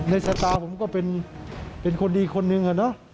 ในสายตาผมก็เป็นคนดีคนหนึ่ง